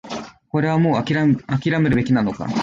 これはもう諦めるべきなのか